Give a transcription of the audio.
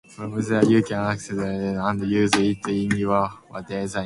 From there, you can access the plugin and use it in your designs.